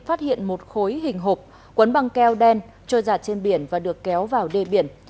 phát hiện một khối hình hộp quấn bằng keo đen trôi giặt trên biển và được kéo vào đê biển